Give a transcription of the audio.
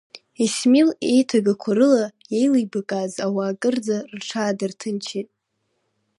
Исмил иеиҭагақәа рыла иеилибаказ ауаа кырӡа рҽаадырҭынчит.